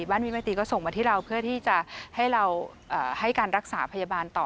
บ้านมิตรมาตรีก็ส่งมาที่เราเพื่อที่จะให้เราการรักษาพยาบาลต่อ